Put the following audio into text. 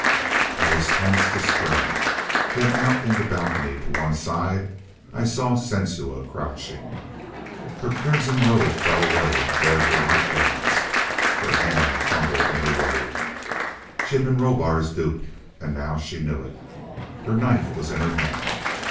I was tense to spring. Then out in the balcony, to one side, I saw Sensua crouching. Her crimson robe fell away to bare her white limbs. Her hand fumbled in her robe. She had been Rohbar's dupe, and now she knew it. Her knife was in her hand.